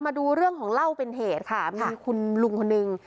มาดูเรื่องของเล่าเป็นเหตุค่ะมีคุณลุงคนนึง